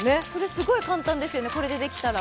すごい簡単ですよ、これでできたら。